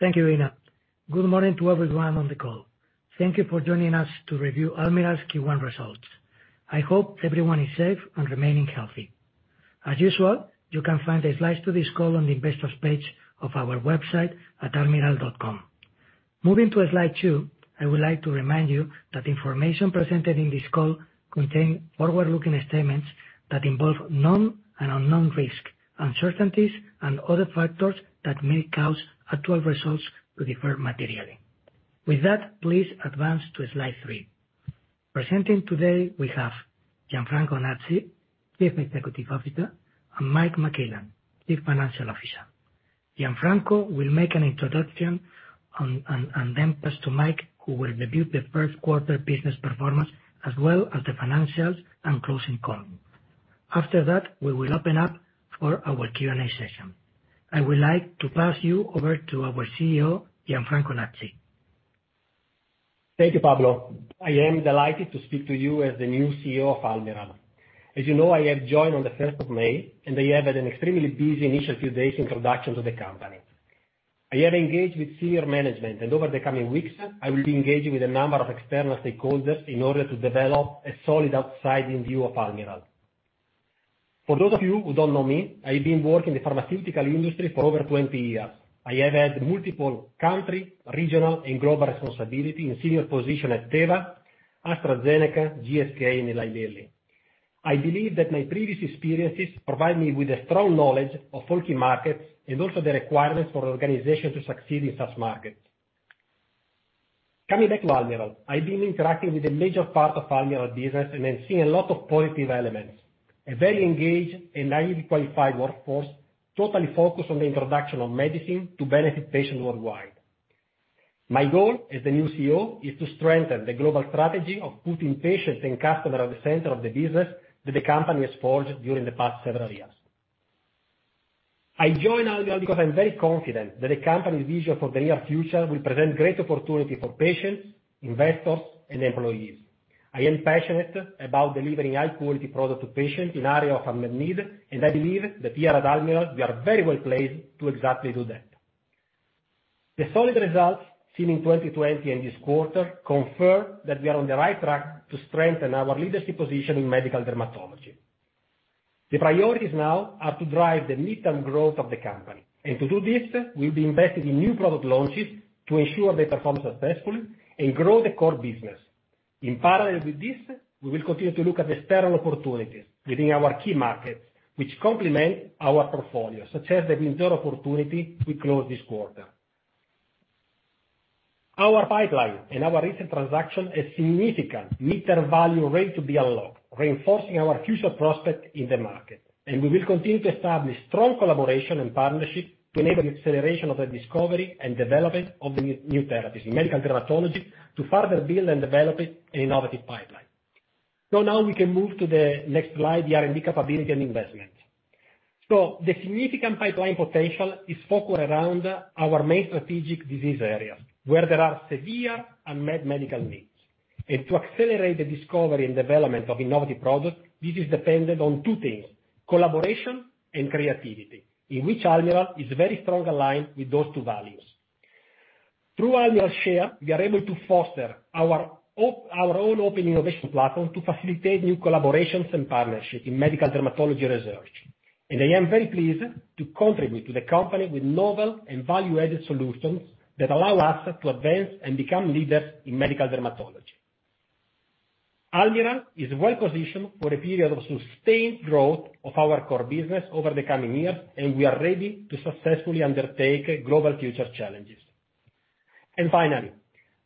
Thank you, Tina. Good morning to everyone on the call. Thank you for joining us to review Almirall's Q1 results. I hope everyone is safe and remaining healthy. As usual, you can find the slides to this call on the investors page of our website at almirall.com. Moving to slide two, I would like to remind you that the information presented in this call contain forward-looking statements that involve known and unknown risk, uncertainties and other factors that may cause actual results to differ materially. With that, please advance to slide three. Presenting today, we have Gianfranco Nazzi, Chief Executive Officer, and Mike McClellan, Chief Financial Officer. Gianfranco will make an introduction and then pass to Mike, who will review the first quarter business performance, as well as the financials and closing call. After that, we will open up for our Q&A session. I would like to pass you over to our CEO, Gianfranco Nazzi. Thank you, Pablo. I am delighted to speak to you as the new CEO of Almirall. As you know, I have joined on the 1st of May, and I have had an extremely busy initial few days introduction to the company. I have engaged with senior management, and over the coming weeks, I will be engaging with a number of external stakeholders in order to develop a solid outside-in view of Almirall. For those of you who don't know me, I've been working in the pharmaceutical industry for over 20 years. I have had multiple country, regional, and global responsibility in senior position at Teva, AstraZeneca, GSK, and Eli Lilly. I believe that my previous experiences provide me with a strong knowledge of all key markets and also the requirements for an organization to succeed in such markets. Coming back to Almirall, I've been interacting with a major part of Almirall business and have seen a lot of positive elements. A very engaged and highly qualified workforce, totally focused on the introduction of medicine to benefit patients worldwide. My goal as the new CEO is to strengthen the global strategy of putting patients and customer at the center of the business that the company has forged during the past several years. I joined Almirall because I'm very confident that the company's vision for the near future will present great opportunity for patients, investors, and employees. I am passionate about delivering high quality product to patients in area of unmet need, and I believe that here at Almirall, we are very well placed to exactly do that. The solid results seen in 2020 and this quarter confirm that we are on the right track to strengthen our leadership position in medical dermatology. The priorities now are to drive the midterm growth of the company. To do this, we'll be invested in new product launches to ensure they perform successfully and grow the core business. In parallel with this, we will continue to look at external opportunities within our key markets, which complement our portfolio, such as the Wynzora opportunity we closed this quarter. Our pipeline and our recent transaction has significant midterm value ready to be unlocked, reinforcing our future prospect in the market. We will continue to establish strong collaboration and partnership to enable acceleration of the discovery and development of the new therapies in medical dermatology to further build and develop an innovative pipeline. Now we can move to the next slide, R&D capability and investment. The significant pipeline potential is focused around our main strategic disease areas, where there are severe unmet medical needs. To accelerate the discovery and development of innovative products, this is dependent on two things, collaboration and creativity, in which Almirall is very strong aligned with those two values. Through AlmirallShare, we are able to foster our own open innovation platform to facilitate new collaborations and partnerships in medical dermatology research. I am very pleased to contribute to the company with novel and value-added solutions that allow us to advance and become leaders in medical dermatology. Almirall is well positioned for a period of sustained growth of our core business over the coming years, and we are ready to successfully undertake global future challenges. Finally,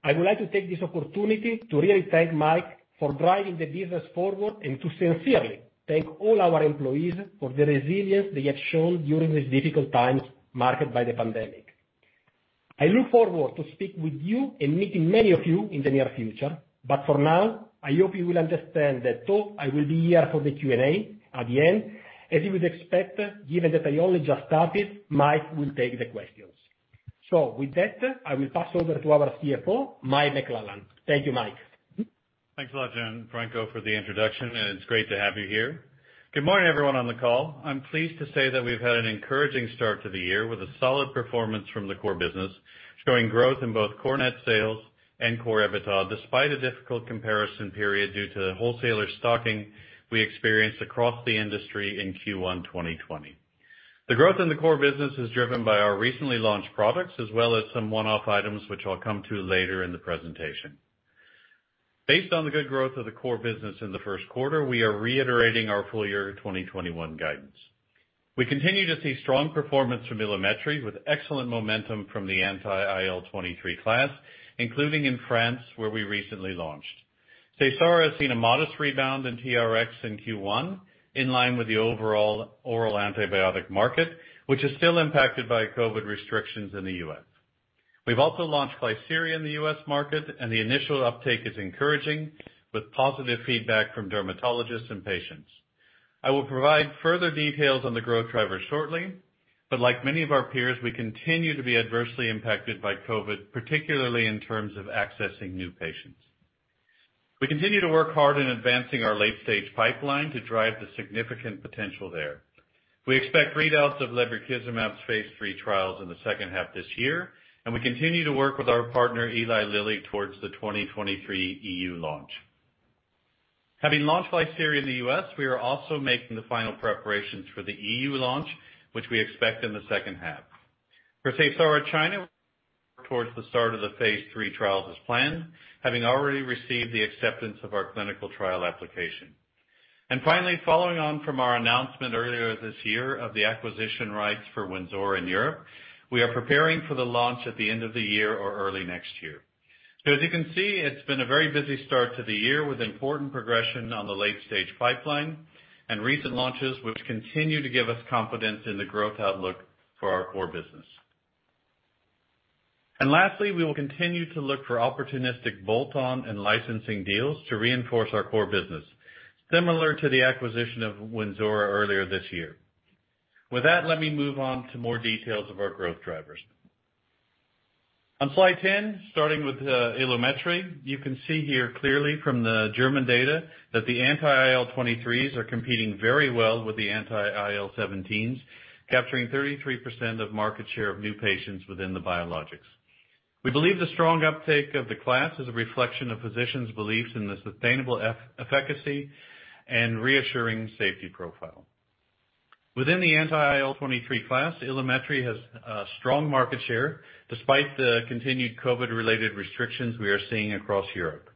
I would like to take this opportunity to really thank Mike for driving the business forward and to sincerely thank all our employees for the resilience they have shown during these difficult times marked by the pandemic. I look forward to speak with you and meeting many of you in the near future. For now, I hope you will understand that though I will be here for the Q&A at the end, as you would expect, given that I only just started, Mike will take the questions. With that, I will pass over to our CFO, Mike McClellan. Thank you, Mike. Thanks a lot, Gianfranco, for the introduction, and it's great to have you here. Good morning, everyone on the call. I'm pleased to say that we've had an encouraging start to the year with a solid performance from the core business, showing growth in both Core Net Sales and Core EBITDA, despite a difficult comparison period due to wholesaler stocking we experienced across the industry in Q1 2020. The growth in the core business is driven by our recently launched products, as well as some one-off items, which I'll come to later in the presentation. Based on the good growth of the core business in the first quarter, we are reiterating our full year 2021 guidance. We continue to see strong performance from Ilumetri, with excellent momentum from the anti-IL-23 class, including in France, where we recently launched. Seysara has seen a modest rebound in TRx in Q1, in line with the overall oral antibiotic market, which is still impacted by COVID restrictions in the U.S. We've also launched Klisyri in the U.S. market. The initial uptake is encouraging, with positive feedback from dermatologists and patients. I will provide further details on the growth driver shortly. Like many of our peers, we continue to be adversely impacted by COVID, particularly in terms of accessing new patients. We continue to work hard in advancing our late-stage pipeline to drive the significant potential there. We expect readouts of lebrikizumab's phase III trials in the second half of this year. We continue to work with our partner, Eli Lilly, towards the 2023 EU launch. Having launched Klisyri in the U.S., we are also making the final preparations for the EU launch, which we expect in the second half. For Seysara China, towards the start of the phase III trials as planned, having already received the acceptance of our clinical trial application. Finally, following on from our announcement earlier this year of the acquisition rights for Wynzora in Europe, we are preparing for the launch at the end of the year or early next year. As you can see, it's been a very busy start to the year with important progression on the late-stage pipeline and recent launches, which continue to give us confidence in the growth outlook for our core business. Lastly, we will continue to look for opportunistic bolt-on and licensing deals to reinforce our core business, similar to the acquisition of Wynzora earlier this year. With that, let me move on to more details of our growth drivers. On slide 10, starting with, Ilumetri, you can see here clearly from the German data that the anti-IL-23s are competing very well with the anti-IL-17s, capturing 33% of market share of new patients within the biologics. We believe the strong uptake of the class is a reflection of physicians' beliefs in the sustainable efficacy and reassuring safety profile. Within the anti-IL-23 class, Ilumetri has a strong market share despite the continued COVID-related restrictions we are seeing across Europe.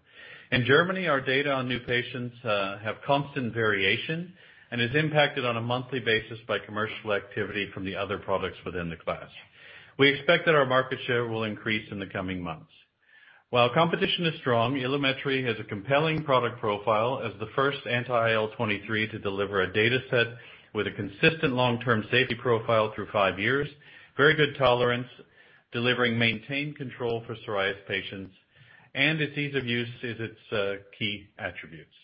In Germany, our data on new patients have constant variation and is impacted on a monthly basis by commercial activity from the other products within the class. We expect that our market share will increase in the coming months. While competition is strong, Ilumetri has a compelling product profile as the first anti-IL-23 to deliver a data set with a consistent long-term safety profile through five years, very good tolerance, delivering maintained control for psoriasis patients, and its ease of use is its key attributes.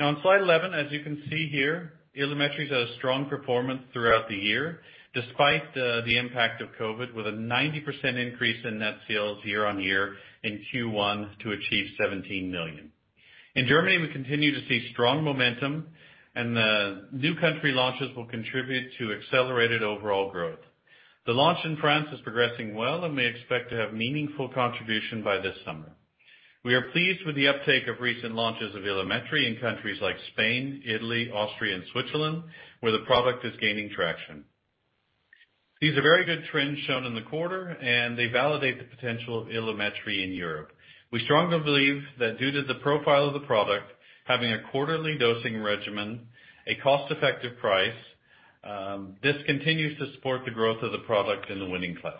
On slide 11, as you can see here, Ilumetri has had a strong performance throughout the year, despite the impact of COVID, with a 90% increase in net sales year-on-year in Q1 to achieve 17 million. In Germany, we continue to see strong momentum, the new country launches will contribute to accelerated overall growth. The launch in France is progressing well we expect to have meaningful contribution by this summer. We are pleased with the uptake of recent launches of Ilumetri in countries like Spain, Italy, Austria, and Switzerland, where the product is gaining traction. These are very good trends shown in the quarter, and they validate the potential of Ilumetri in Europe. We strongly believe that due to the profile of the product, having a quarterly dosing regimen, a cost-effective price, this continues to support the growth of the product in the winning class.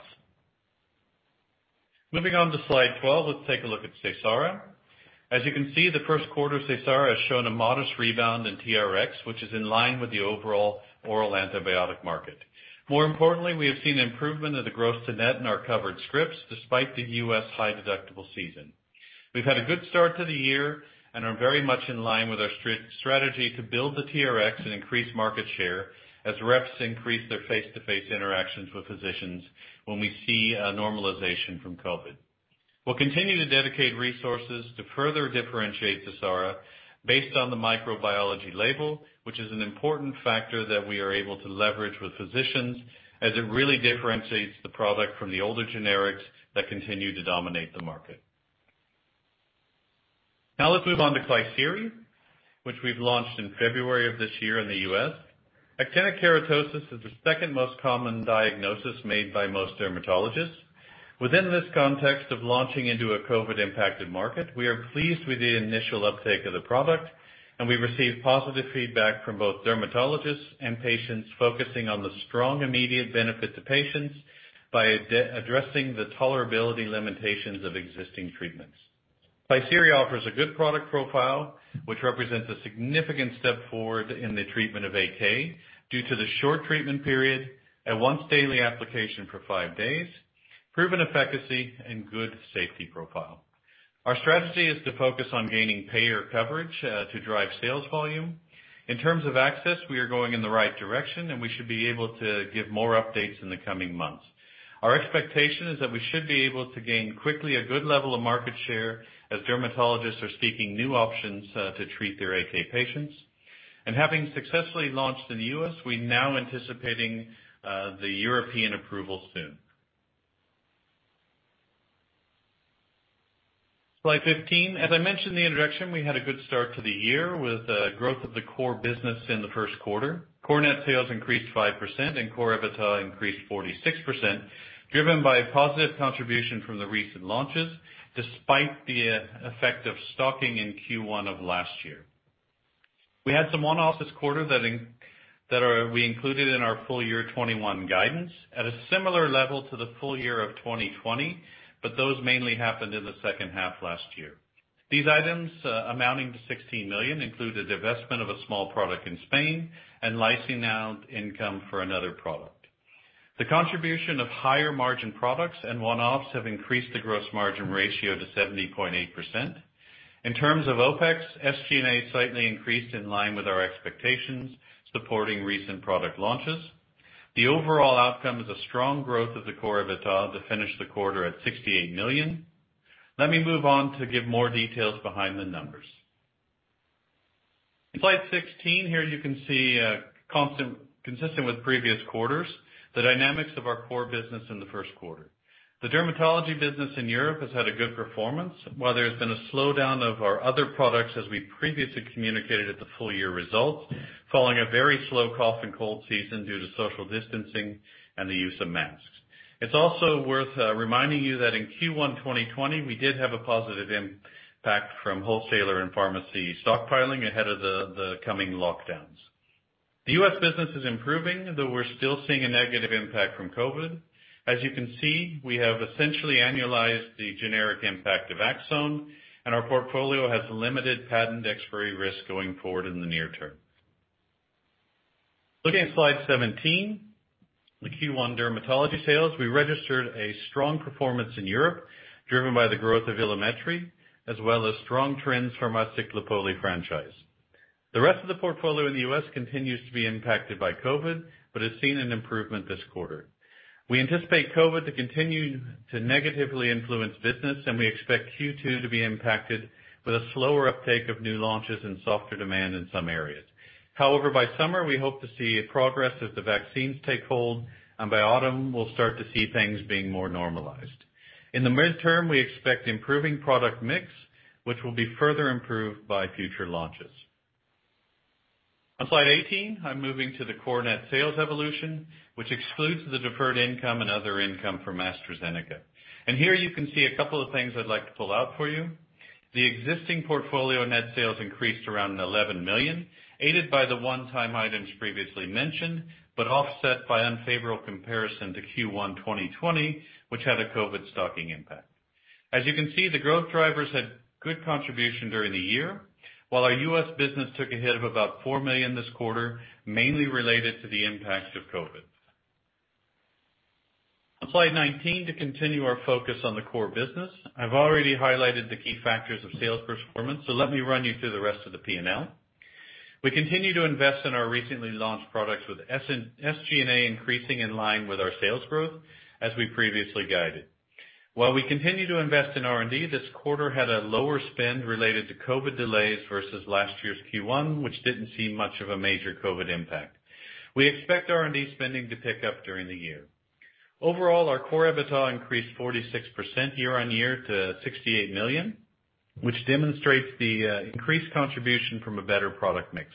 Moving on to slide 12. Let's take a look at Seysara. As you can see, the first quarter of Seysara has shown a modest rebound in TRx, which is in line with the overall oral antibiotic market. More importantly, we have seen improvement of the gross to net in our covered scripts despite the U.S. high deductible season. We've had a good start to the year and are very much in line with our strategy to build the TRx and increase market share as reps increase their face-to-face interactions with physicians when we see a normalization from COVID. We'll continue to dedicate resources to further differentiate Seysara based on the microbiology label, which is an important factor that we are able to leverage with physicians as it really differentiates the product from the older generics that continue to dominate the market. Let's move on to Klisyri, which we've launched in February of this year in the U.S. Actinic keratosis is the second most common diagnosis made by most dermatologists. Within this context of launching into a COVID-impacted market, we are pleased with the initial uptake of the product, and we received positive feedback from both dermatologists and patients focusing on the strong immediate benefit to patients by addressing the tolerability limitations of existing treatments. Klisyri offers a good product profile, which represents a significant step forward in the treatment of AK due to the short treatment period, a once-daily application for five days, proven efficacy, and good safety profile. Our strategy is to focus on gaining payer coverage to drive sales volume. In terms of access, we are going in the right direction, and we should be able to give more updates in the coming months. Our expectation is that we should be able to gain quickly a good level of market share as dermatologists are seeking new options to treat their AK patients. Having successfully launched in the U.S., we're now anticipating the European approval soon. Slide 15. As I mentioned in the introduction, we had a good start to the year with the growth of the core business in the first quarter. Core Net Sales increased 5% and Core EBITDA increased 46%, driven by a positive contribution from the recent launches despite the effect of stocking in Q1 of last year. We had some one-offs this quarter that we included in our full year 2021 guidance at a similar level to the full year of 2020, but those mainly happened in the second half of last year. These items, amounting to 16 million, include a divestment of a small product in Spain and licensing income for another product. The contribution of higher-margin products and one-offs have increased the gross margin ratio to 70.8%. In terms of OpEx, SG&A slightly increased in line with our expectations, supporting recent product launches. The overall outcome is a strong growth of the Core EBITDA to finish the quarter at 68 million. Let me move on to give more details behind the numbers. In slide 16, here you can see, consistent with previous quarters, the dynamics of our core business in the first quarter. The dermatology business in Europe has had a good performance, while there's been a slowdown of our other products as we previously communicated at the full-year results, following a very slow cough and cold season due to social distancing and the use of masks. It's also worth reminding you that in Q1 2020, we did have a positive impact from wholesaler and pharmacy stockpiling ahead of the coming lockdowns. The U.S. business is improving, though we're still seeing a negative impact from COVID. As you can see, we have essentially annualized the generic impact of ACZONE, and our portfolio has limited patent expiry risk going forward in the near term. Looking at slide 17, the Q1 dermatology sales. We registered a strong performance in Europe driven by the growth of Ilumetri, as well as strong trends from our Ciclopoli franchise. The rest of the portfolio in the U.S. continues to be impacted by COVID, but has seen an improvement this quarter. We anticipate COVID to continue to negatively influence business, and we expect Q2 to be impacted with a slower uptake of new launches and softer demand in some areas. By summer, we hope to see progress as the vaccines take hold, and by autumn, we'll start to see things being more normalized. In the midterm, we expect improving product mix, which will be further improved by future launches. On slide 18, I'm moving to the Core Net Sales evolution, which excludes the deferred income and other income from AstraZeneca. Here you can see a couple of things I'd like to pull out for you. The existing portfolio net sales increased around 11 million, aided by the one-time items previously mentioned. Offset by unfavorable comparison to Q1 2020, which had a COVID stocking impact. As you can see, the growth drivers had good contribution during the year. While our U.S. business took a hit of about 4 million this quarter, mainly related to the impact of COVID. On slide 19, to continue our focus on the core business. I've already highlighted the key factors of sales performance. Let me run you through the rest of the P&L. We continue to invest in our recently launched products with SG&A increasing in line with our sales growth, as we previously guided. While we continue to invest in R&D, this quarter had a lower spend related to COVID delays versus last year's Q1, which didn't see much of a major COVID impact. We expect R&D spending to pick up during the year. Overall, our Core EBITDA increased 46% year-over-year to 68 million, which demonstrates the increased contribution from a better product mix.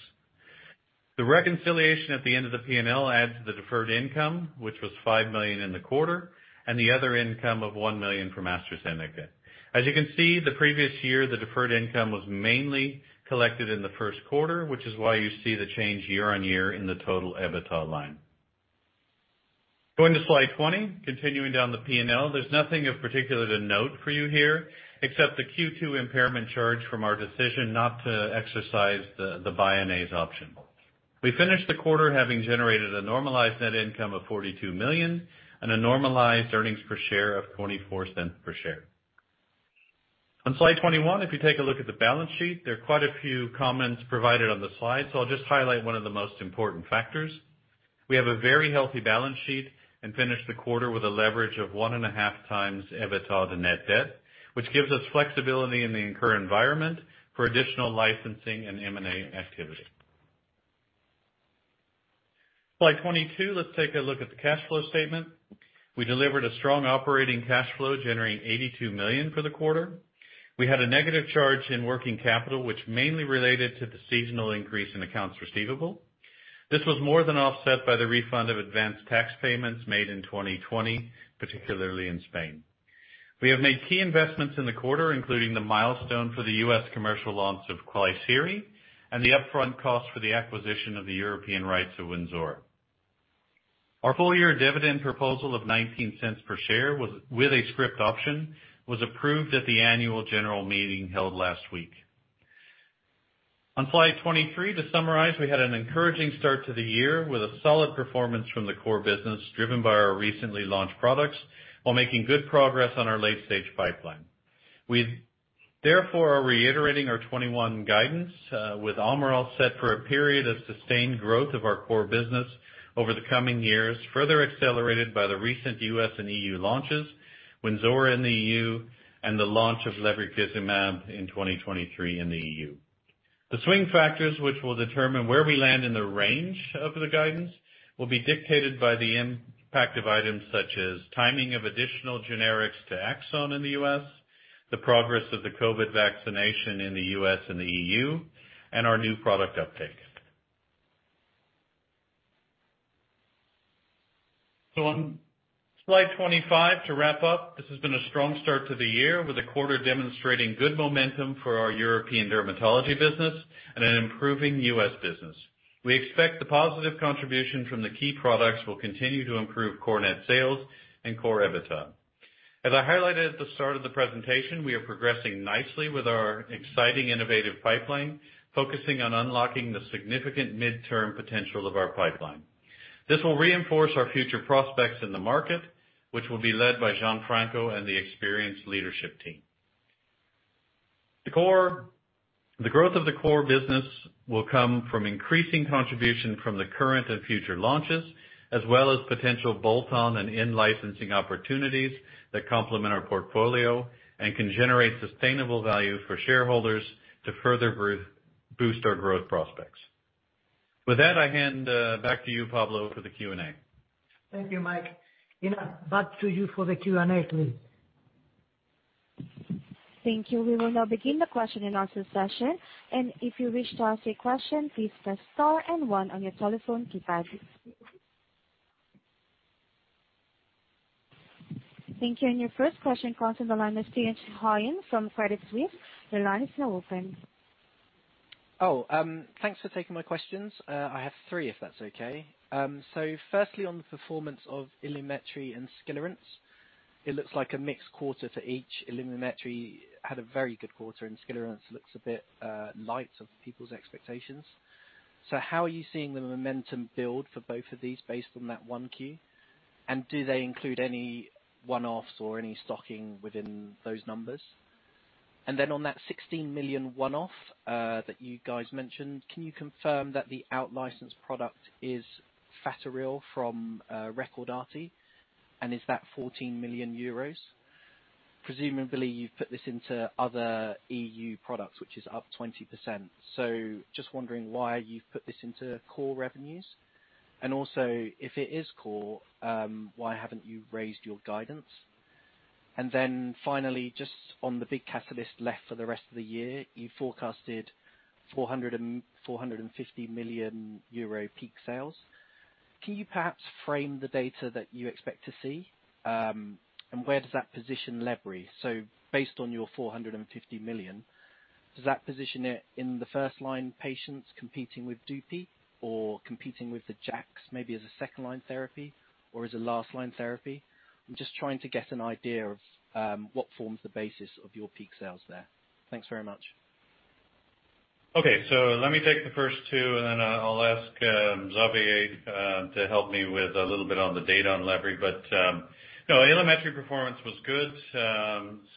The reconciliation at the end of the P&L adds the deferred income, which was EUR 5 million in the quarter, and the other income of 1 million from AstraZeneca. As you can see, the previous year, the deferred income was mainly collected in the first quarter, which is why you see the change year-over-year in the total EBITDA line. Going to slide 20, continuing down the P&L. There is nothing of particular to note for you here, except the Q2 impairment charge from our decision not to exercise the Bioniz option. We finished the quarter having generated a normalized net income of 42 million and a normalized earnings per share of 0.24 per share. On slide 21, if you take a look at the balance sheet, there are quite a few comments provided on the slide, I'll just highlight one of the most important factors. We have a very healthy balance sheet and finished the quarter with a leverage of 1.5x EBITDA to net debt, which gives us flexibility in the current environment for additional licensing and M&A activity. Slide 22, let's take a look at the cash flow statement. We delivered a strong operating cash flow generating 82 million for the quarter. We had a negative charge in working capital, which mainly related to the seasonal increase in accounts receivable. This was more than offset by the refund of advanced tax payments made in 2020, particularly in Spain. We have made key investments in the quarter, including the milestone for the U.S. commercial launch of Klisyri and the upfront cost for the acquisition of the European rights of Wynzora. Our full-year dividend proposal of 0.19 per share with a script option was approved at the annual general meeting held last week. On slide 23, to summarize, we had an encouraging start to the year with a solid performance from the core business driven by our recently launched products while making good progress on our late-stage pipeline. We, therefore, are reiterating our 2021 guidance with Almirall set for a period of sustained growth of our core business over the coming years, further accelerated by the recent U.S. and EU launches, Wynzora in the EU, and the launch of lebrikizumab in 2023 in the EU. The swing factors which will determine where we land in the range of the guidance will be dictated by the impact of items such as timing of additional generics to ACZONE in the U.S., the progress of the COVID vaccination in the U.S. and the EU, and our new product uptake. On slide 25, to wrap up, this has been a strong start to the year with the quarter demonstrating good momentum for our European dermatology business and an improving U.S. business. We expect the positive contribution from the key products will continue to improve Core Net Sales and Core EBITDA. As I highlighted at the start of the presentation, we are progressing nicely with our exciting innovative pipeline, focusing on unlocking the significant midterm potential of our pipeline. This will reinforce our future prospects in the market, which will be led by Gianfranco and the experienced leadership team. The growth of the core business will come from increasing contribution from the current and future launches, as well as potential bolt-on and in-licensing opportunities that complement our portfolio and can generate sustainable value for shareholders to further boost our growth prospects. With that, I hand back to you, Pablo, for the Q&A. Thank you, Mike. Tina, back to you for the Q&A, please. Thank you. We will now begin the question and answer session. If you wish to ask a question, please press star and one on your telephone keypad. Thank you. Your first question comes on the line of Stephen Holgate from Credit Suisse. Your line is now open. Thanks for taking my questions. I have three, if that's okay. Firstly, on the performance of Ilumetri and Skilarence. It looks like a mixed quarter for each. Ilumetri had a very good quarter, and Skilarence looks a bit light of people's expectations. How are you seeing the momentum build for both of these based on that Q1, and do they include any one-offs or any stocking within those numbers? On that 16 million one-off that you guys mentioned, can you confirm that the out-licensed product is Flatoril from Recordati? Is that 14 million euros? Presumably, you've put this into other EU products, which is up 20%. Just wondering why you've put this into Core revenues. Also, if it is Core, why haven't you raised your guidance? Finally, just on the big catalyst left for the rest of the year, you forecasted 450 million euro peak sales. Can you perhaps frame the data that you expect to see? Where does that position lebrikizumab? Based on your 450 million, does that position it in the first-line patients competing with Dupixent or competing with the JAKs, maybe as a second-line therapy or as a last-line therapy? I'm just trying to get an idea of what forms the basis of your peak sales there. Thanks very much. Okay. Let me take the first two, and then I'll ask Xavier to help me with a little bit on the data on Lebry. No, Ilumetri performance was good.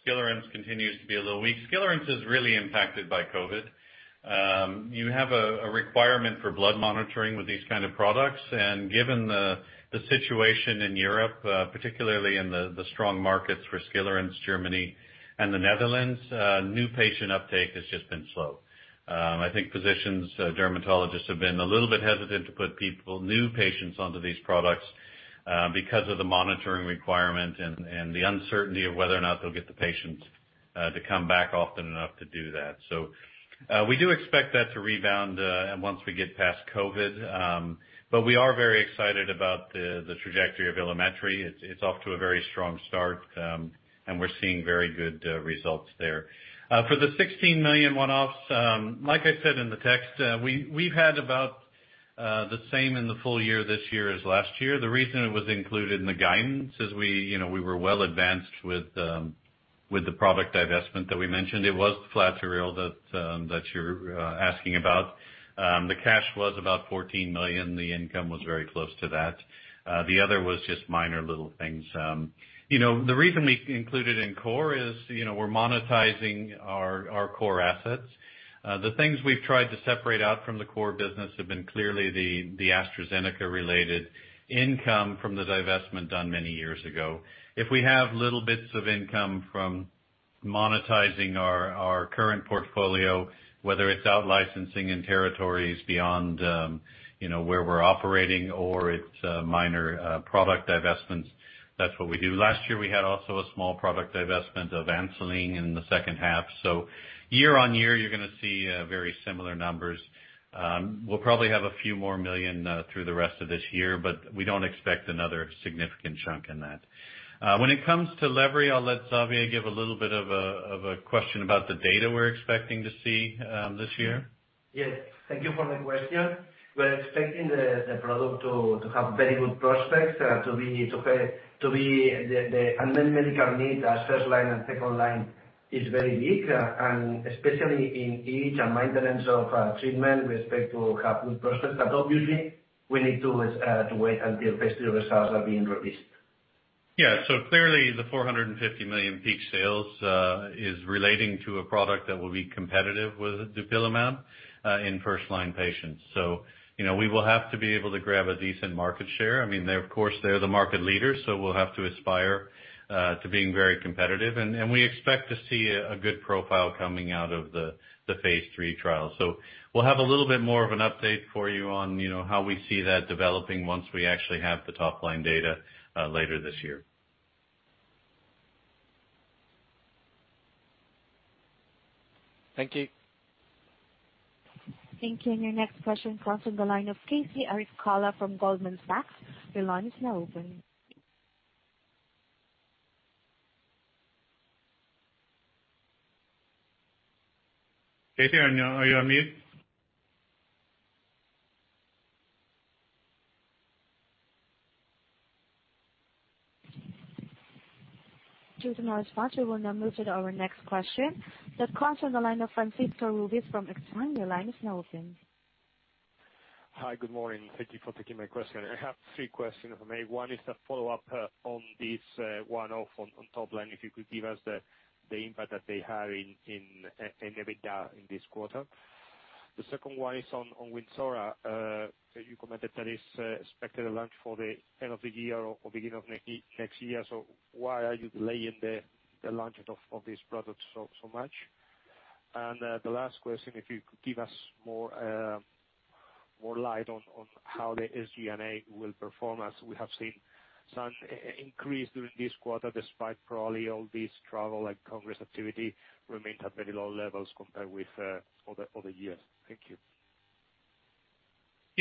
Skilarence continues to be a little weak. Skilarence is really impacted by COVID. You have a requirement for blood monitoring with these kind of products, and given the situation in Europe, particularly in the strong markets for Skilarence, Germany and the Netherlands, new patient uptake has just been slow. I think physicians, dermatologists have been a little bit hesitant to put new patients onto these products because of the monitoring requirement and the uncertainty of whether or not they'll get the patients to come back often enough to do that. We do expect that to rebound once we get past COVID, but we are very excited about the trajectory of Ilumetri. It's off to a very strong start, and we're seeing very good results there. For the 16 million one-offs, like I said in the text, we've had about the same in the full year this year as last year. The reason it was included in the guidance is we were well advanced with the product divestment that we mentioned. It was Flatoril that you're asking about. The cash was about 14 million. The income was very close to that. The other was just minor little things. The reason we include it in core is we're monetizing our core assets. The things we've tried to separate out from the core business have been clearly the AstraZeneca-related income from the divestment done many years ago. If we have little bits of income from monetizing our current portfolio, whether it's out licensing in territories beyond where we're operating or it's minor product divestments, that's what we do. Last year, we had also a small product divestment of Ansiolin in the second half. Year-over-year, you're going to see very similar numbers. We'll probably have a few more million through the rest of this year. We don't expect another significant chunk in that. When it comes to Lebry, I'll let Xavier give a little bit of a question about the data we're expecting to see this year. Yes. Thank you for the question. We're expecting the product to have very good prospects, to be the unmet medical need as first line and second line is very big, and especially in each and maintenance of treatment with respect to have good prospects. Obviously we need to wait until phase III results are being released. Yeah. Clearly the 450 million peak sales is relating to a product that will be competitive with dupilumab in first line patients. Of course, they're the market leader, we'll have to aspire to being very competitive, and we expect to see a good profile coming out of the phase III trial. We'll have a little bit more of an update for you on how we see that developing once we actually have the top-line data later this year. Thank you. Thank you. Your next question comes on the line of Krishna Arikatla from Goldman Sachs. Your line is now open. Krishna, are you on mute? Due to no response, we will now move to our next question that comes from the line of Francisco Ruiz from Exane. Your line is now open. Hi, good morning. Thank you for taking my question. I have three questions for you. One is to follow up on this one-off on top line, if you could give us the impact that they had in EBITDA in this quarter. The second one is on Wynzora. You commented that is expected to launch for the end of the year or beginning of next year. Why are you delaying the launch of this product so much? The last question, if you could give us more light on how the SG&A will perform, as we have seen some increase during this quarter, despite probably all this travel and Congress activity remains at very low levels compared with other years. Thank you.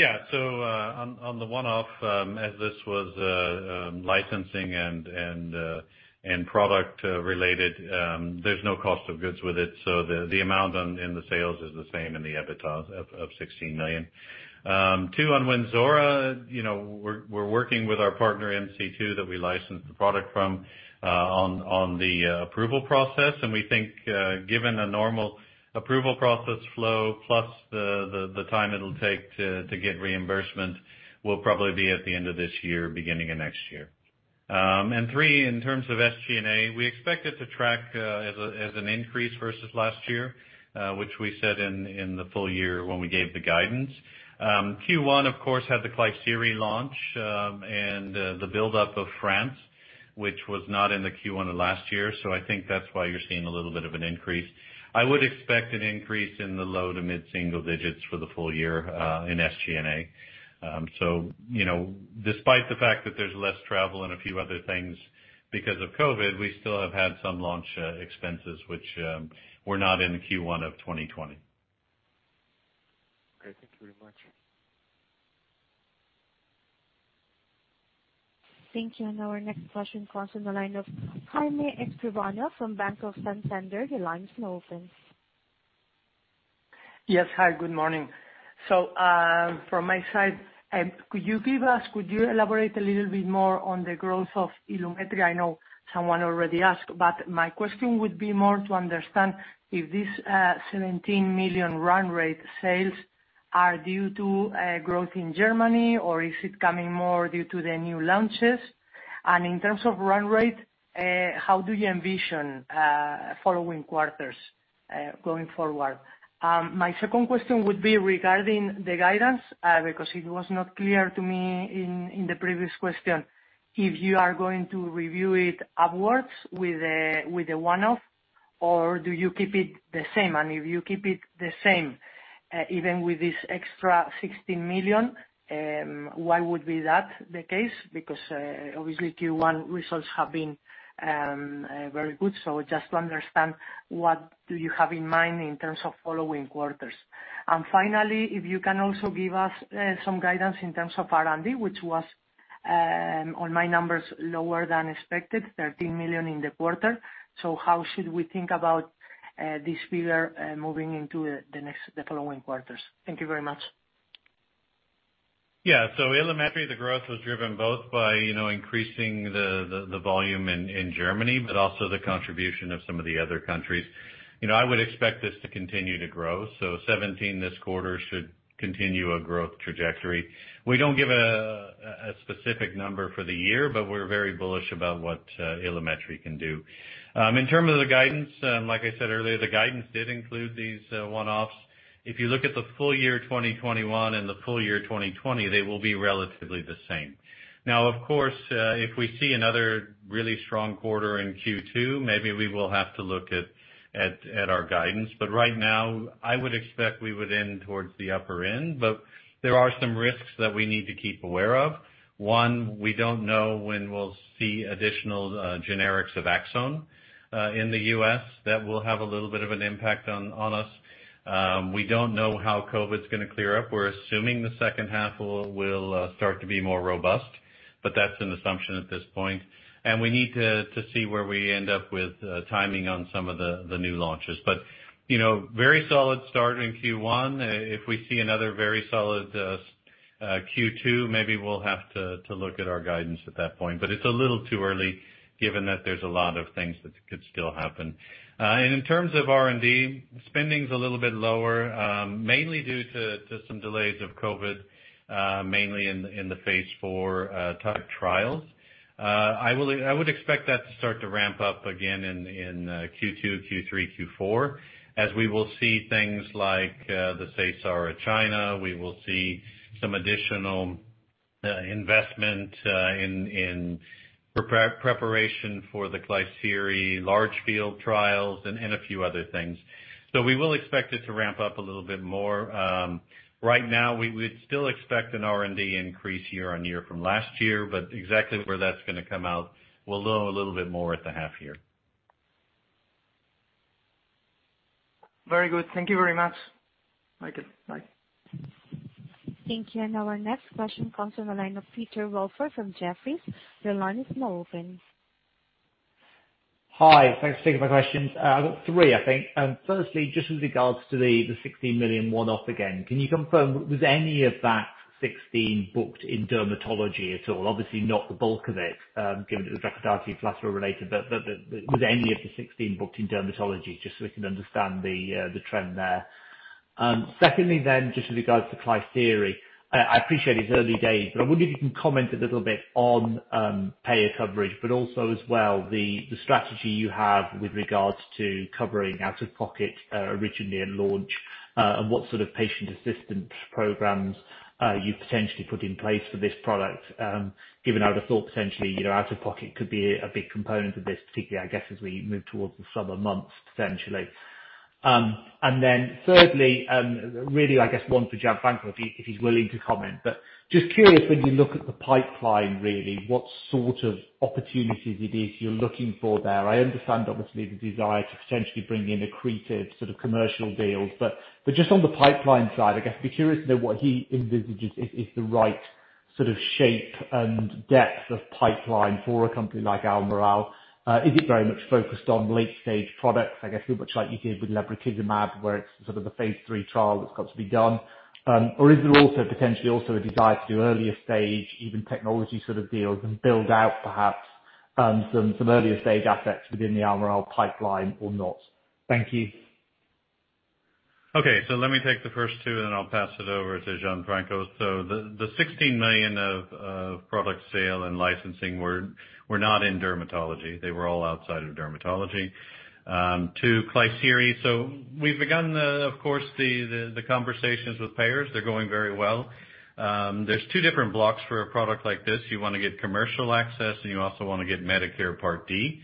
On the one-off, as this was licensing and product-related, there's no cost of goods with it. The amount in the sales is the same in the EBITDA of 16 million. Two, on Wynzora, we're working with our partner, MC2, that we licensed the product from on the approval process. We think given a normal approval process flow, plus the time it'll take to get reimbursement, we'll probably be at the end of this year, beginning of next year. Three, in terms of SG&A, we expect it to track as an increase versus last year, which we said in the full year when we gave the guidance. Q1, of course, had the Klisyri launch, and the buildup of France, which was not in the Q1 of last year. I think that's why you're seeing a little bit of an increase. I would expect an increase in the low to mid-single digits for the full year in SG&A. Despite the fact that there's less travel and a few other things because of COVID, we still have had some launch expenses which were not in Q1 of 2020. Okay, thank you very much. Thank you. Our next question comes from the line of Jaime Escribano from Banco Santander. Your line is now open. Yes. Hi, good morning. From my side, could you elaborate a little bit more on the growth of Ilumetri? I know someone already asked, my question would be more to understand if this 17 million run rate sales are due to growth in Germany, or is it coming more due to the new launches? In terms of run rate, how do you envision following quarters, going forward? My second question would be regarding the guidance, because it was not clear to me in the previous question, if you are going to review it upwards with a one-off or do you keep it the same? If you keep it the same, even with this extra 16 million, why would be that the case? Because obviously Q1 results have been very good. Just to understand, what do you have in mind in terms of following quarters? Finally, if you can also give us some guidance in terms of R&D, which was, on my numbers, lower than expected, 13 million in the quarter. How should we think about this figure moving into the following quarters? Thank you very much. Yeah. Ilumetri, the growth was driven both by increasing the volume in Germany, but also the contribution of some of the other countries. I would expect this to continue to grow. 17 this quarter should continue a growth trajectory. We don't give a specific number for the year, but we're very bullish about what Ilumetri can do. In terms of the guidance, like I said earlier, the guidance did include these one-offs. If you look at the full year 2021 and the full year 2020, they will be relatively the same. Of course, if we see another really strong quarter in Q2, maybe we will have to look at our guidance, but right now, I would expect we would end towards the upper end. There are some risks that we need to keep aware of. One, we don't know when we'll see additional generics of ACZONE in the U.S. That will have a little bit of an impact on us. We don't know how COVID's going to clear up. We're assuming the second half will start to be more robust, that's an assumption at this point. We need to see where we end up with timing on some of the new launches. Very solid start in Q1. If we see another very solid Q2, maybe we'll have to look at our guidance at that point. It's a little too early given that there's a lot of things that could still happen. In terms of R&D, spending's a little bit lower, mainly due to some delays of COVID, mainly in the phase IV type trials. I would expect that to start to ramp up again in Q2, Q3, Q4, as we will see things like the Seysara China. We will see some additional investment in preparation for the Klisyri large field trials and a few other things. We will expect it to ramp up a little bit more. Right now, we would still expect an R&D increase year-on-year from last year, exactly where that's going to come out, we'll know a little bit more at the half year. Very good. Thank you very much. Thank you. Bye. Thank you. Our next question comes from the line of Peter Welford from Jefferies. Your line is now open. Hi. Thanks for taking my questions. I've got three, I think. Firstly, just with regards to the 16 million one-off again, can you confirm, was any of that 16 booked in dermatology at all? Obviously not the bulk of it, given it was Recordati plus related, but was any of the 16 booked in dermatology, just so we can understand the trend there? Secondly then, just with regards to Klisyri, I appreciate it's early days, but I wonder if you can comment a little bit on payer coverage, but also as well the strategy you have with regards to covering out-of-pocket originally at launch. What sort of patient assistance programs you potentially put in place for this product, given how the thought potentially, out-of-pocket could be a big component of this, particularly I guess, as we move towards the summer months, potentially. Thirdly, really I guess one for Gianfranco, if he's willing to comment, but just curious, when you look at the pipeline, really, what sort of opportunities it is you're looking for there. I understand, obviously, the desire to potentially bring in accretive commercial deals, but just on the pipeline side, I guess I'd be curious to know what he envisages is the right sort of shape and depth of pipeline for a company like Almirall. Is it very much focused on late-stage products, I guess, pretty much like you did with lebrikizumab, where it's sort of the phase III trial that's got to be done? Or is there also potentially also a desire to do earlier stage, even technology sort of deals and build out perhaps some earlier stage assets within the Almirall pipeline or not? Thank you. Okay. Let me take the first two, and then I'll pass it over to Gianfranco. The 16 million of product sale and licensing were not in dermatology. They were all outside of dermatology. To Klisyri, we've begun the conversations with payers. They're going very well. There's two different blocks for a product like this. You want to get commercial access, and you also want to get Medicare Part D,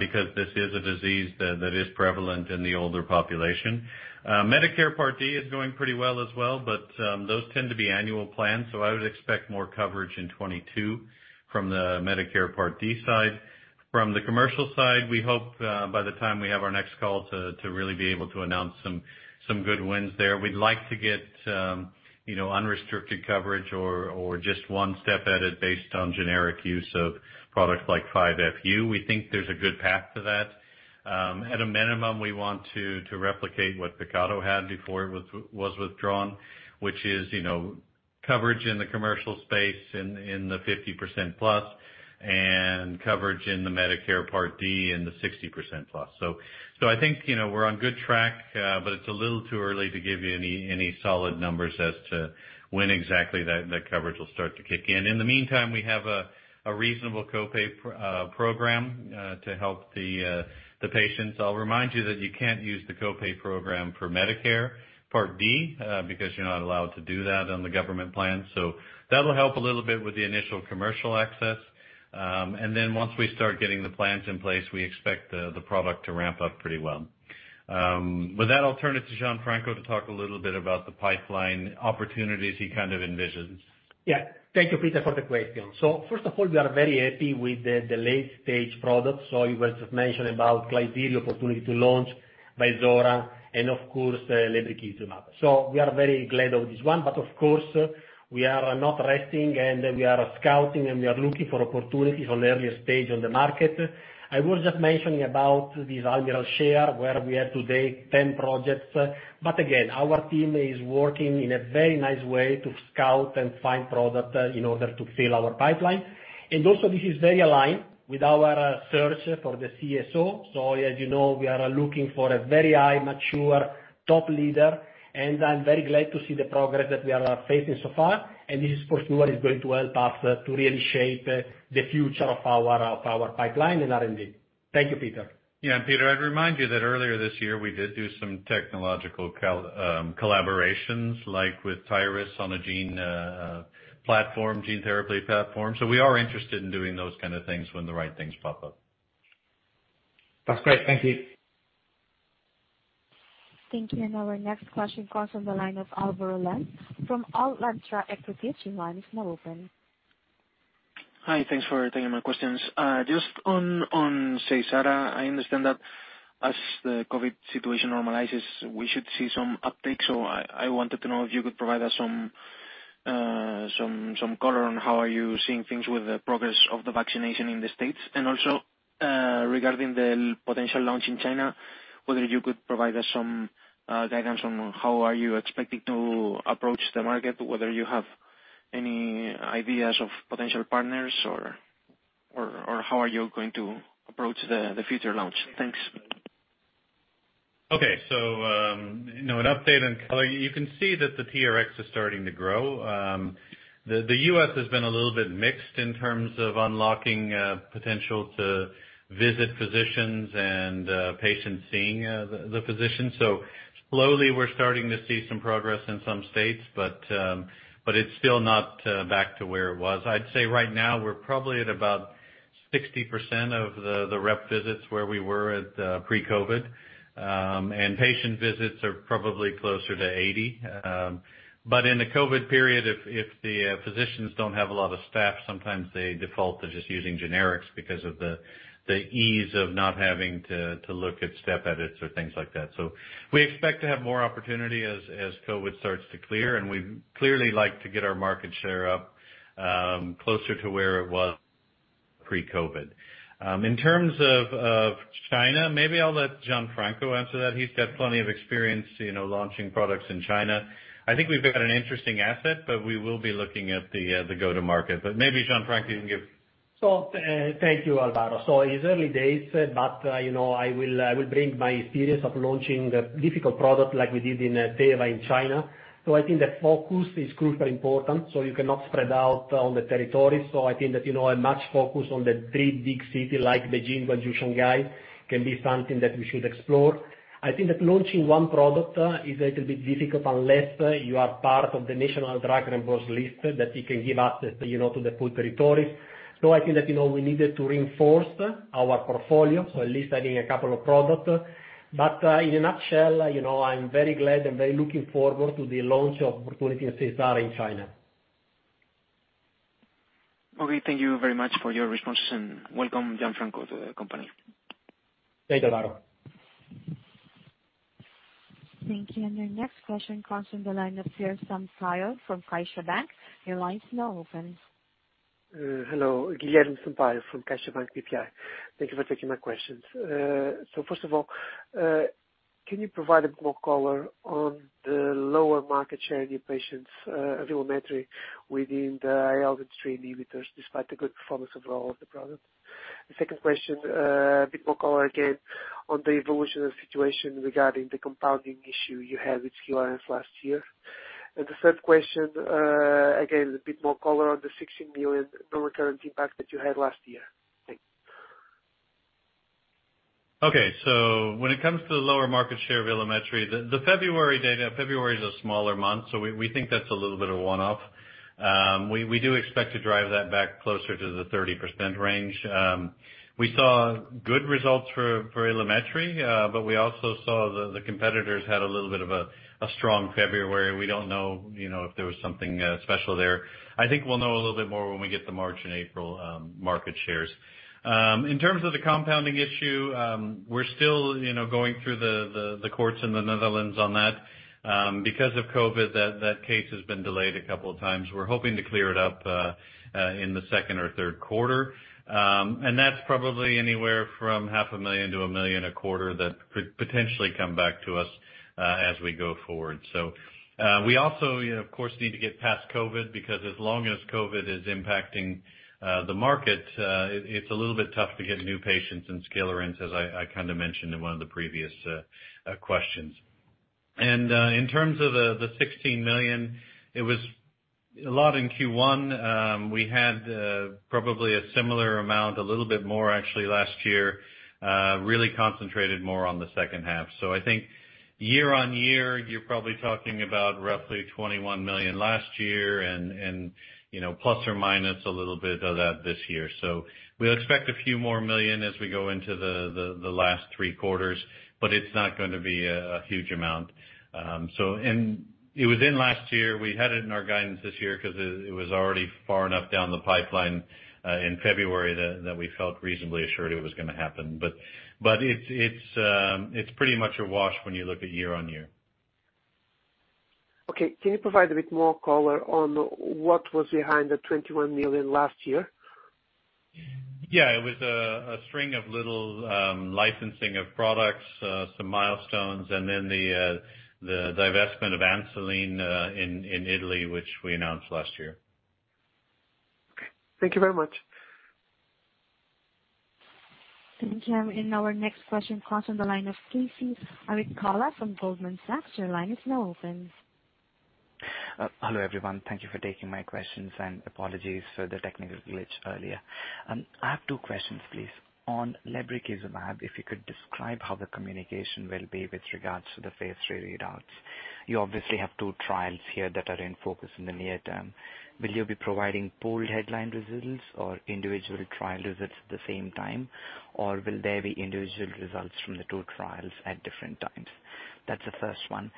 because this is a disease that is prevalent in the older population. Medicare Part D is going pretty well as well, those tend to be annual plans, I would expect more coverage in 2022 from the Medicare Part D side. From the commercial side, we hope, by the time we have our next call, to really be able to announce some good wins there. We'd like to get unrestricted coverage or just one step at it based on generic use of products like 5-FU. We think there's a good path to that. At a minimum, we want to replicate what Picato had before it was withdrawn, which is coverage in the commercial space in the 50%+, and coverage in the Medicare Part D in the 60%+. I think we're on good track, but it's a little too early to give you any solid numbers as to when exactly that coverage will start to kick in. In the meantime, we have a reasonable co-pay program, to help the patients. I'll remind you that you can't use the co-pay program for Medicare Part D, because you're not allowed to do that on the government plan. That'll help a little bit with the initial commercial access. Once we start getting the plans in place, we expect the product to ramp up pretty well. With that, I'll turn it to Gianfranco to talk a little bit about the pipeline opportunities he kind of envisions. Thank you, Peter, for the question. First of all, we are very happy with the late-stage products. You were just mentioning about Klisyri opportunity to launch Wynzora and, of course, lebrikizumab. We are very glad of this one. Of course, we are not resting, and we are scouting, and we are looking for opportunities on the earlier stage on the market. I was just mentioning about this AlmirallShare, where we are today, 10 projects. Again, our team is working in a very nice way to scout and find product in order to fill our pipeline. Also, this is very aligned with our search for the CSO. As you know, we are looking for a very high, mature top leader, and I'm very glad to see the progress that we are facing so far. This is for sure is going to help us to really shape the future of our pipeline and R&D. Thank you, Peter. Yeah. Peter, I'd remind you that earlier this year, we did do some technological collaborations, like with Tyris on a gene platform, gene therapy platform. We are interested in doing those kind of things when the right things pop up. That's great. Thank you. Thank you. Our next question comes from the line of Álvaro Lenze from Alantra Equity. Your line is now open. Hi. Thanks for taking my questions. Just on Seysara, I understand that as the COVID situation normalizes, we should see some uptick. I wanted to know if you could provide us some color on how are you seeing things with the progress of the vaccination in the U.S. Also, regarding the potential launch in China, whether you could provide us some guidance on how are you expecting to approach the market, whether you have any ideas of potential partners or how are you going to approach the future launch? Thanks. Okay. An update on color. You can see that the TRx is starting to grow. The U.S. has been a little bit mixed in terms of unlocking potential to visit physicians and patients seeing the physician. Slowly we're starting to see some progress in some states, but it's still not back to where it was. I'd say right now we're probably at about 60% of the rep visits where we were at pre-COVID, and patient visits are probably closer to 80. In the COVID period, if the physicians don't have a lot of staff, sometimes they default to just using generics because of the ease of not having to look at step edits or things like that. We expect to have more opportunity as COVID starts to clear, and we'd clearly like to get our market share up closer to where it was pre-COVID. In terms of China, maybe I'll let Gianfranco answer that. He's got plenty of experience launching products in China. I think we've got an interesting asset, but we will be looking at the go-to-market. Thank you, Álvaro Lenze. It's early days, but I will bring my experience of launching a difficult product like we did in Teva in China. I think the focus is crucially important, you cannot spread out on the territories. I think that I much focus on the three big cities like Beijing, but Shanghai can be something that we should explore. I think that launching one product is a little bit difficult unless you are part of the National Reimbursement Drug List that it can give access to the full territories. I think that we needed to reinforce our portfolio, at least adding a couple of products. In a nutshell, I'm very glad and very looking forward to the launch opportunity of Seysara in China. Okay. Thank you very much for your responses and welcome Gianfranco to the company. Thank you, Alvaro. Thank you. Your next question comes from the line of Guilherme Sampaio from CaixaBank. Your line is now open. Hello, Guilherme Sampaio from CaixaBank BPI. Thank you for taking my questions. First of all, can you provide a bit more color on the lower market share in new patients, Ilumetri within the IL-23 inhibitors, despite the good performance of all of the products? The second question, a bit more color again on the evolution of the situation regarding the compounding issue you had with Skilarence last year. The third question, again, a bit more color on the 16 million non-recurring impact that you had last year. Thanks. Okay. When it comes to the lower market share of evolocumab, the February data, February is a smaller month, we think that's a little bit of one-off. We do expect to drive that back closer to the 30% range. We saw good results for evolocumab, but we also saw the competitors had a little bit of a strong February. We don't know if there was something special there. I think we'll know a little bit more when we get the March and April market shares. In terms of the compounding issue, we're still going through the courts in the Netherlands on that. Because of COVID, that case has been delayed a couple of times. We're hoping to clear it up in the second or third quarter. That's probably anywhere from half a million to 1 million a quarter that could potentially come back to us, as we go forward. We also, of course, need to get past COVID because as long as COVID is impacting the market, it's a little bit tough to get new patients in Skilarence, as I kind of mentioned in one of the previous questions. In terms of the EUR 16 million, it was a lot in Q1. We had probably a similar amount, a little bit more actually last year, really concentrated more on the second half. I think year-over-year, you're probably talking about roughly 21 million last year and plus or minus a little bit of that this year. We'll expect a few more million as we go into the last three quarters, but it's not going to be a huge amount. It was in last year. We had it in our guidance this year because it was already far enough down the pipeline, in February that we felt reasonably assured it was going to happen. It's pretty much a wash when you look at year-on-year. Can you provide a bit more color on what was behind the 21 million last year? Yeah. It was a string of little licensing of products, some milestones, and then the divestment of Ansiolin, in Italy, which we announced last year. Okay. Thank you very much. Thank you. Our next question comes on the line of Krishna Arikatla from Goldman Sachs. Your line is now open. Hello, everyone. Thank you for taking my questions and apologies for the technical glitch earlier. I have two questions, please. On lebrikizumab, if you could describe how the communication will be with regards to the phase III readouts. You obviously have two trials here that are in focus in the near term. Will you be providing pooled headline results or individual trial results at the same time, or will there be individual results from the two trials at different times? That's the first one.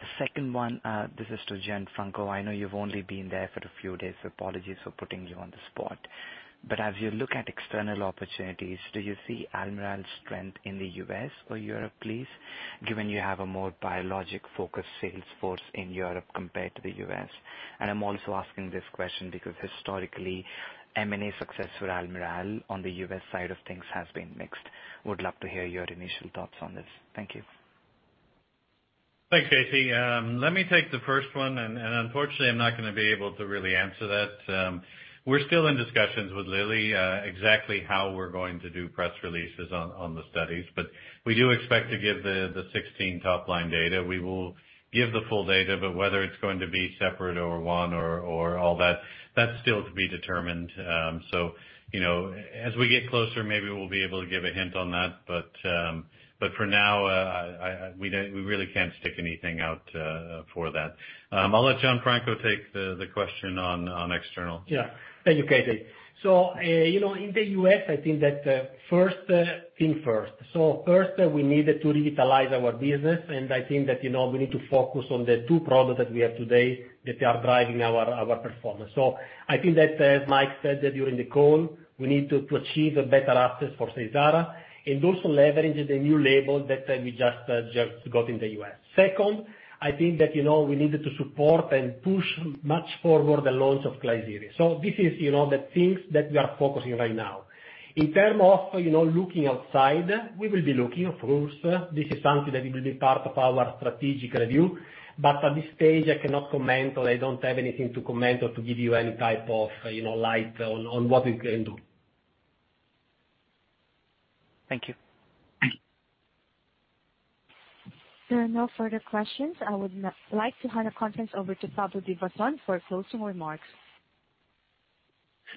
The second one, this is to Gianfranco. I know you've only been there for a few days. Apologies for putting you on the spot. As you look at external opportunities, do you see Almirall's strength in the U.S. or Europe, please, given you have a more biologic-focused sales force in Europe compared to the U.S.? I'm also asking this question because historically M&A success for Almirall on the U.S. side of things has been mixed. Would love to hear your initial thoughts on this. Thank you. Thanks, Krishna. Let me take the first one, and unfortunately, I'm not going to be able to really answer that. We're still in discussions with Lilly, exactly how we're going to do press releases on the studies. We do expect to give the 16 top-line data. We will give the full data, but whether it's going to be separate or one or all that's still to be determined. As we get closer, maybe we'll be able to give a hint on that. For now, we really can't stick anything out for that. I'll let Gianfranco take the question on external. Thank you, Krishna. In the U.S., I think that first things first. First, we need to revitalize our business, and I think that we need to focus on the two products that we have today that are driving our performance. I think that as Mike said during the call, we need to achieve a better access for Seysara and also leverage the new label that we just got in the U.S. Second, I think that we need to support and push much forward the launch of Klisyri. This is the things that we are focusing right now. In terms of looking outside, we will be looking, of course. This is something that it will be part of our strategic review. At this stage, I cannot comment or I don't have anything to comment or to give you any type of light on what we can do. Thank you. There are no further questions. I would now like to hand the conference over to Pablo Divasson for closing remarks.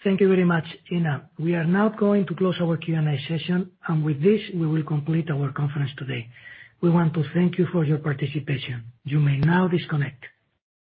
Thank you very much, Tina. We are now going to close our Q&A session, and with this, we will complete our conference today. We want to thank you for your participation. You may now disconnect.